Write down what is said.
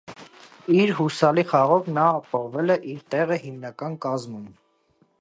Իր հուսալի խաղով նա ապահովել է իր տեղը հիմնական կազմում։